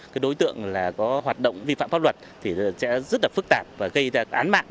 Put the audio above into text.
cái đối tượng có hoạt động vi phạm pháp luật thì sẽ rất là phức tạp và gây ra án mạng